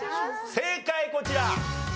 正解こちら。